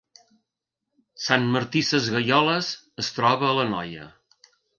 Sant Martí Sesgueioles es troba a l’Anoia